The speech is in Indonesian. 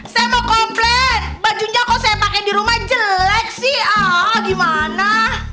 saya mau komplain bajunya kok saya pakai di rumah jelek sih ah gimana